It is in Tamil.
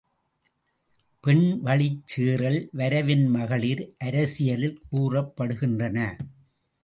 பெண் வழிச் சேறல், வரைவின் மகளிர் அரசியலில் கூறப்படுகின்றன.